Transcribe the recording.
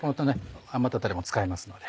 余ったタレも使いますので。